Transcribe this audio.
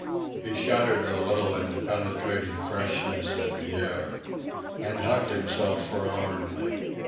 He shuddered a little in the penetrating freshness of the air, and hugged himself forlornly.